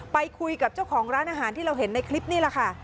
ไปคุยกับเจ้าของร้านอาหารที่เราเห็นในคลิปนี่แหละค่ะ